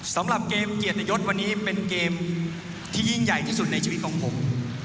สำหรับเกมเกียรติยศวันนี้เป็นเกมที่ยิ่งใหญ่ที่สุดในชีวิตของผม